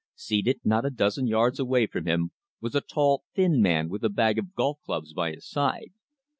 Seated not a dozen yards away from him was a tall, thin man with a bag of golf clubs by his side.